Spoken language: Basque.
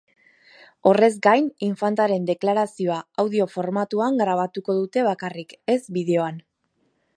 Horrez gain, infantaren deklarazioa audio formatuan grabatuko dute bakarrik, ez bideoan.